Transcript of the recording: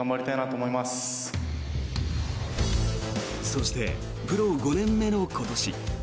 そして、プロ５年目の今年。